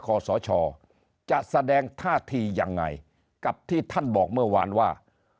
ขอสชจะแสดงท่าทียังไงกับที่ท่านบอกเมื่อวานว่า